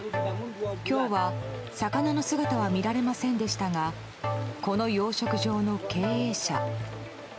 今日は魚の姿は見られませんでしたがこの養殖場の経営者。